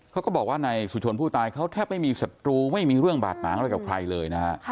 เค้าบอกว่าในสุชนผู้ตายเค้าแทบไม่มีศตรูไม่มีเรื่องบาหักหมากับใครเลยนะ